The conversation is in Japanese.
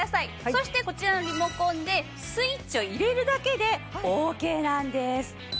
そしてこちらのリモコンでスイッチを入れるだけでオーケーなんです。